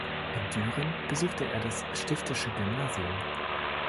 In Düren besuchte er das Stiftische Gymnasium.